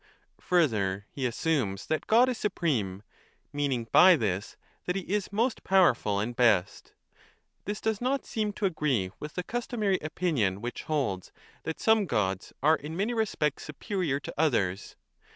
Further, he assumes that God is supreme, meaning by this that he is most powerful and best. This does not seem to agree with the customary opinion, which holds that some gods are in many respects superior to others.